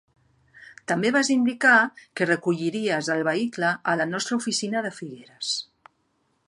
També vas indicar que recolliries el vehicle a la nostra oficina de Figueres.